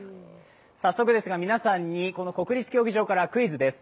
早速ですが皆さんにこの国立競技場からクイズです。